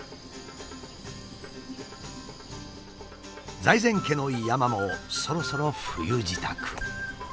財前家の山もそろそろ冬支度。